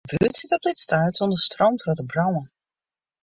De buert sit op dit stuit sûnder stroom troch de brân.